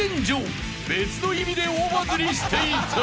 ［別の意味で大バズりしていた］